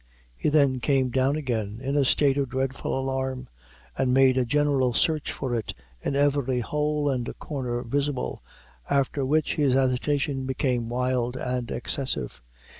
He then came down again, in a state of dreadful alarm, and made a general search for it in every hole and corner visible, after, which his agitation became wild and excessive.